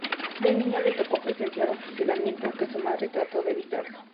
De niño le tocó presenciar un fusilamiento, aunque su madre trató de evitarlo.